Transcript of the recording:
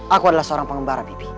aku adalah seorang pengembara mimpi